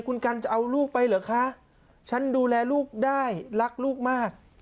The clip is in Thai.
คุณกันจะเอาลูกไปเหรอคะฉันดูแลลูกได้รักลูกมาก